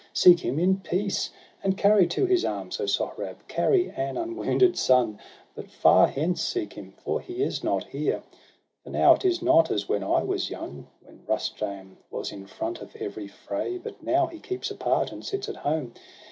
Seek him in peace, and carry to his arms, O Sohrab, carry an unwounded son! But far hence seek him, for he is not here. For now it is not as when I was young, When Rustum was in front of every fray: But now he keeps apart, and sits at home.